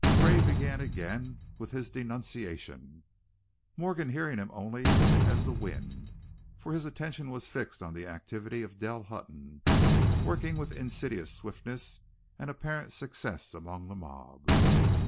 Gray began again with his denunciation, Morgan hearing him only as the wind, for his attention was fixed on the activities of Dell Hutton, working with insidious swiftness and apparent success among the mob.